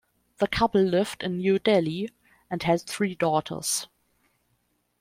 The couple lived in New Delhi, and had three daughters.